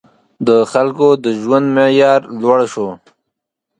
• د خلکو د ژوند معیار لوړ شو.